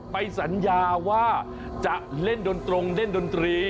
ไปสัญญาว่าจะเล่นดนตรงเล่นดนตรี